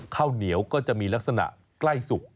ข้าวเหนียวก็จะมีลักษณะใกล้สุก